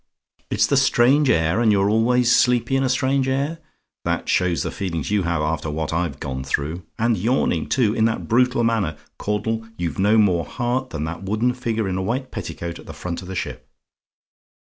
"IT'S THE STRANGE AIR AND YOU'RE ALWAYS SLEEPY IN A STRANGE AIR? "That shows the feelings you have, after what I've gone through. And yawning, too, in that brutal manner! Caudle, you've no more heart than that wooden figure in a white petticoat at the front of the ship.